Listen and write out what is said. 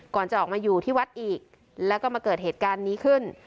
ก่อนจะออกมาอยู่ที่วัดอีกแล้วก็มาเกิดเหตุการณ์นี้ขึ้น